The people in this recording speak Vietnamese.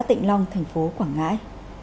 thành phố quảng ngãi